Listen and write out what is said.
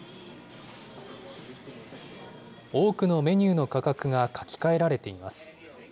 多くのメニューの価格が書き換えられています。